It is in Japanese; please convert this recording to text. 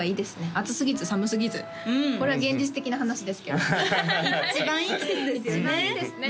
暑すぎず寒すぎずこれは現実的な話ですけど一番いい季節ですよね一番いいですね